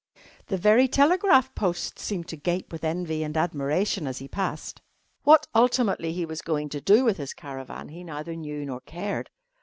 The very telegraph posts seemed to gape with envy and admiration as he passed. What ultimately he was going to do with his caravan he neither knew nor cared.